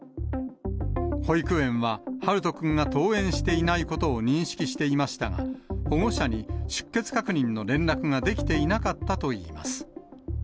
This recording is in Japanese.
保育園は、陽翔くんが登園していないことを認識していましたが、保護者に出欠確認の連絡ができていなかったといいます。